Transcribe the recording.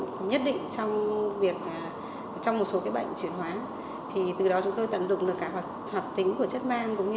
hay là hoạt chất kém